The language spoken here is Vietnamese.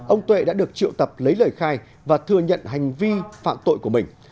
ông tuệ đã được triệu tập lấy lời khai và thừa nhận hành vi phạm tội của mình